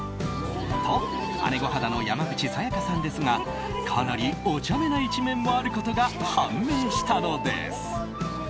と、姉御肌の山口紗弥加さんですがかなりおちゃめな一面もあることが判明したのです。